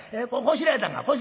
こしらえたんか？